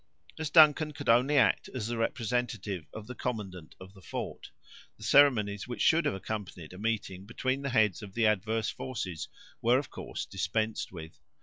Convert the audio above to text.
As Duncan could only act as the representative of the commandant of the fort, the ceremonies which should have accompanied a meeting between the heads of the adverse forces were, of course, dispensed with.